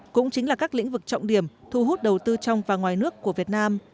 cũng chính là các lĩnh vực trọng điểm thu hút đầu tư trong và ngoài nước của việt nam